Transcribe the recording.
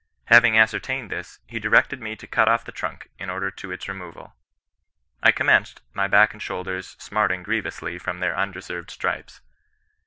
Having ascertained this, he directed me to cut ofF the trunk, in order to its removal. I com menced, my back and shoulders smarting grievously from their undeserved stripes.